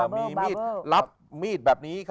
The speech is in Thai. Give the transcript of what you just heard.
มีมีดรับมีดแบบนี้